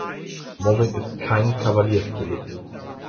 Mobbing ist kein Kavaliersdelikt.